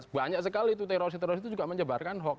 banyak sekali itu teroris teroris itu juga menyebarkan hoax